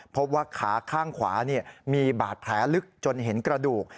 พบว่าขาข้างขวามีบาดแผลลึกจนเห็นกระดูก